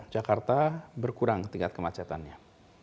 jakarta berkurang tingkat kemacetannya